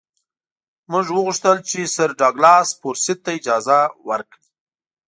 موږ وغوښتل چې سر ډاګلاس فورسیت ته اجازه ورکړي.